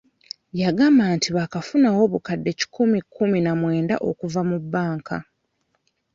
Yagambye nti baakafunawo obukadde kikumi kkumi na mwenda okuva mu banka.